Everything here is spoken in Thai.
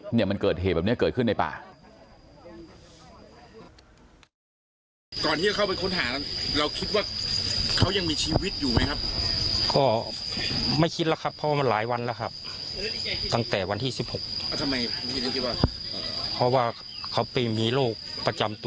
เนี่ยมันเกิดเหตุแบบนี้เกิดขึ้นในป่า